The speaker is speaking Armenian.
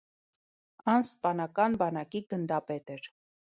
Ան սպանական բանակի գնդապետ էր։